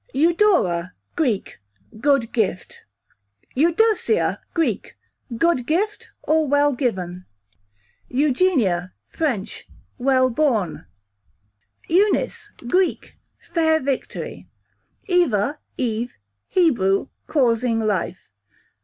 Eudora, Greek, good gift. Eudosia, Greek, good gift or well given. Eugenia, French, well born. Eunice, Greek, fair victory. Eva / Eve, Hebrew, causing life.